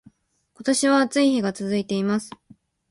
今年は暑い日が続いています